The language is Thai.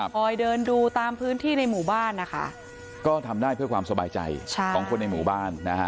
คอยเดินดูตามพื้นที่ในหมู่บ้านนะคะก็ทำได้เพื่อความสบายใจของคนในหมู่บ้านนะฮะ